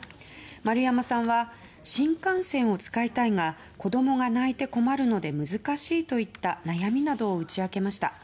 丸山さんは新幹線を使いたいが子供が泣いて困るので難しいといった悩みなどを打ち明けました。